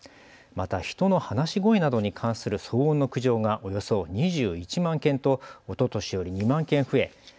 また人の話し声などに関する騒音の苦情がおよそ２１万件とおととしより２万件増え